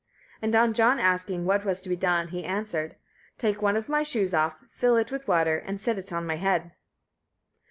And on John asking what was to be done, he answered: "Take one of my shoes off, fill it with water, and set it on my head."